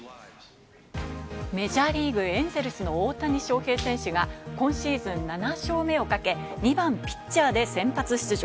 メジャーリーグ、エンゼルスの大谷翔平選手が今シーズン７勝目をかけ、２番・ピッチャー先発出場。